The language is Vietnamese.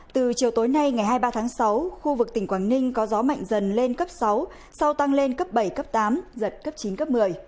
từ chiều tối nay ngày hai mươi ba tháng sáu khu vực tỉnh quảng ninh có gió mạnh dần lên cấp sáu sau tăng lên cấp bảy cấp tám giật cấp chín cấp một mươi